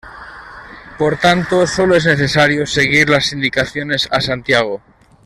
Por tanto solo es necesario seguir las indicaciones a Santiago.